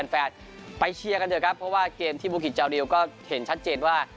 แฟนไปเชียร์กันเถอะครับเพราะว่าเกมที่บุกิจจาริวก็เห็นชัดเจนว่า